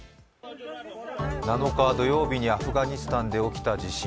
７日、土曜日にアフガニスタンで起きた地震。